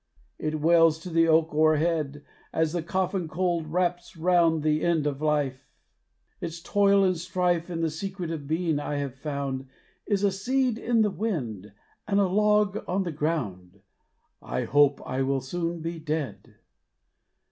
It wails to the oak o'erhead As the coffin cold wraps round "The end of life Is toil and strife And the secret of being, I have found Is a seed in the wind and a log on the ground. I hope I will soon be dead."